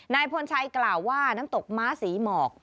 นายพลชัยกล่าวว่าน้ำตกม้าศรีหมอก